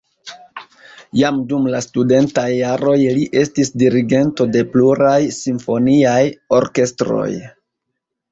Jam dum la studentaj jaroj li estis dirigento de pluraj simfoniaj orkestroj.